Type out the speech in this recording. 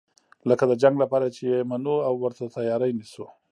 لکه د جنګ لپاره چې یې منو او ورته تیاری نیسو.